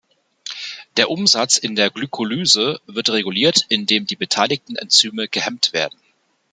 Der Umsatz in der Glycolyse wird reguliert, indem die beteiligten Enzyme gehemmt werden.